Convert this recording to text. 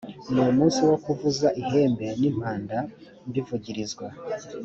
ni umunsi wo kuvuza ihembe n impanda m bivugirizwa